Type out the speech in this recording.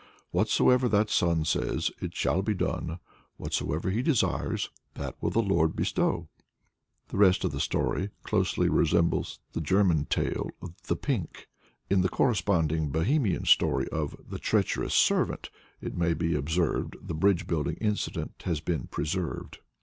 Whatsoever that son says it shall be done: whatsoever he desires that will the Lord bestow!'" The rest of the story closely resembles the German tale of "The Pink." In the corresponding Bohemian story of "The Treacherous Servant," it may be observed, the bridge building incident has been preserved.